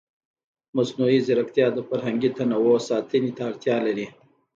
مصنوعي ځیرکتیا د فرهنګي تنوع ساتنې ته اړتیا لري.